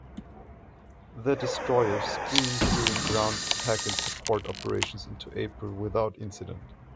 The destroyer screened during ground attack and support operations into April without incident.